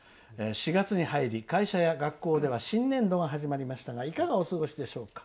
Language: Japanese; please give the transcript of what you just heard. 「４月に入り会社や学校では新年度が始まりましたがいかがお過ごしでしょうか」。